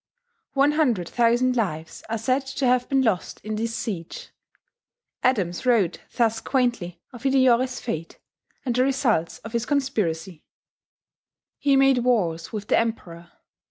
One hundred thousand lives are said to have been lost in this siege. Adams wrote thus quaintly of Hideyori's fate, and the results of his conspiracy: "Hee mad warres with the Emperour